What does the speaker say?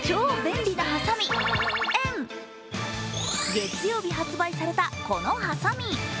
月曜日、発売されたこのはさみ。